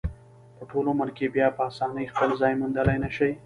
په ټول عمر کې بیا په اسانۍ خپل ځان موندلی نشي.